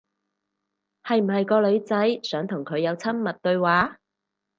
係唔係個女仔想同佢有親密對話？